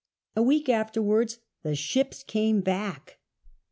A week Afterwards the ships came back.